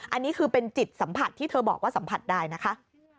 อันนี้คือเป็นจิตสัมผัสที่เธอบอกว่าสัมผัสได้นะคะ